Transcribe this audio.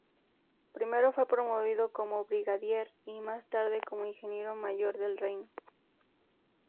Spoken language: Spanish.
Primero fue promovido como brigadier y más tarde como ingeniero mayor del reino.